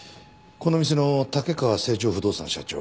この店の竹川成城不動産社長